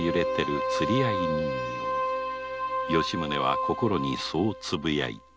吉宗は心にそうつぶやいた